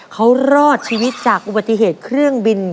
เขารอดชีวิตจากอุบัติเหตุเครื่องบิน